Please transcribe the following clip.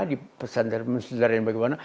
di pesantren pesantren bagaimana